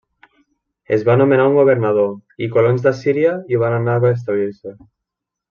Es va nomenar un governador, i colons d'Assíria hi van anar a establir-se.